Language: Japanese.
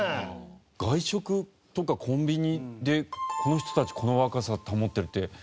外食とかコンビニでこの人たちこの若さ保ってるって。